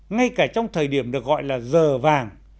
ngay cả trong thời điểm được gọi là giờ vàng